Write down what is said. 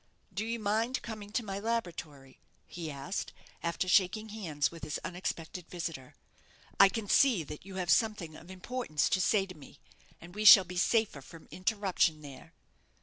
"Do you mind coming to my laboratory?" he asked, after shaking hands with his unexpected visitor. "I can see that you have something of importance to say to me, and we shall be safer from interruption there."